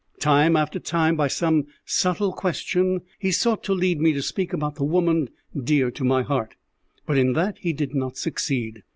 Time after time, by some subtle question, he sought to lead me to speak about the woman dear to my heart, but in that he did not succeed.